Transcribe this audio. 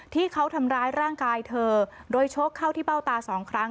ที่เขาทำร้ายร่างกายเธอโดยชกเข้าที่เบ้าตาสองครั้ง